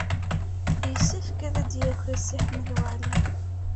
Yessefk ad d-yaki Si Ḥmed Waɛli.